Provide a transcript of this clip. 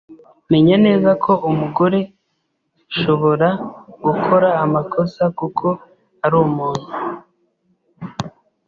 Menya neza ko umugore shobora gukora amakosa kuko ari umuntu,